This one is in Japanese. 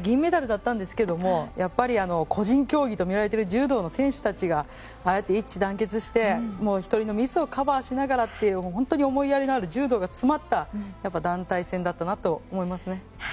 銀メダルだったんですがやっぱり個人競技とみられている柔道の選手たちがああやって一致団結して１人のミスをカバーしながらという本当に思いやりのある柔道が詰まった団体戦だったなと思いますね。